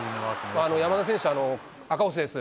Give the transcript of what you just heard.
山田選手、赤星です。